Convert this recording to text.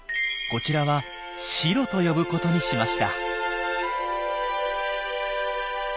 こちらはシロと呼ぶことにしました。